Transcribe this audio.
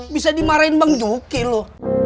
bisa dimarahin bang juki loh